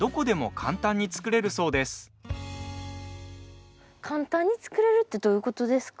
簡単に作れるってどういうことですか？